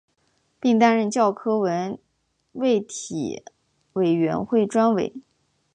并担任教科文卫体委员会专委。